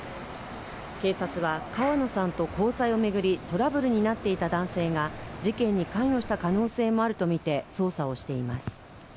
警察は川野さんと交際を巡りトラブルになっていた男性が事件に関与した可能性もあると見て捜査をしています